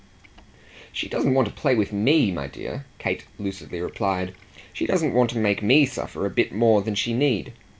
"She doesn't want to play with ME, my dear," Kate lucidly replied; "she doesn't want to make me suffer a bit more than she need.